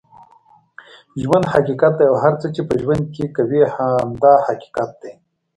ژوند حقیقت دی اوهر څه چې په ژوند کې کوې هم دا حقیقت دی